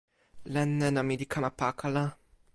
len nena mi li kama pakala.